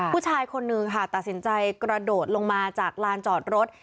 ผู้ชายคนนึงค่ะตัดสินใจกระโดดลงมาจากลานจอดรถ